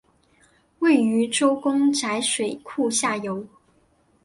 位于周公宅水库下游。